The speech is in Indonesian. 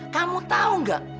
kamu tahu gak